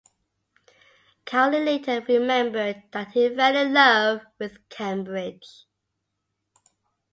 Cowling later remembered that he fell in love with Cambridge.